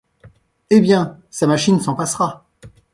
Eh bien ! sa machine s’en passera.